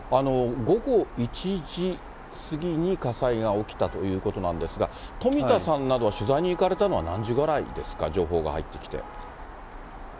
午後１時過ぎに火災が起きたということなんですが、富田さんなどは取材に行かれたのは何時ぐらいですか、情報が入ってきて。